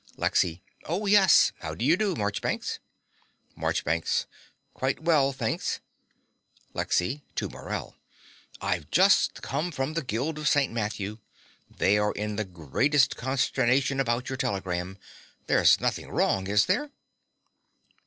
LEXY. Oh, yes. How do you do, Marchbanks? MARCHBANKS. Quite well, thanks. LEXY (to Morell). I've just come from the Guild of St. Matthew. They are in the greatest consternation about your telegram. There's nothing wrong, is there?